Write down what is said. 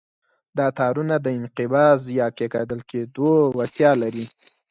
دا تارونه د انقباض یا کیکاږل کېدو وړتیا لري.